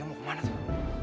lia mau kemana tuh